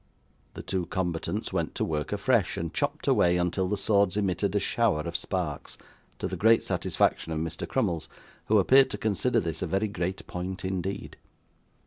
The two combatants went to work afresh, and chopped away until the swords emitted a shower of sparks: to the great satisfaction of Mr Crummles, who appeared to consider this a very great point indeed.